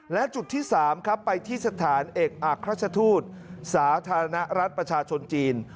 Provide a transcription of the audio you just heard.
และจุดที่๓ครับไปที่สถานเอกอักราชทูตสาธารณรัฐประชาชนจีน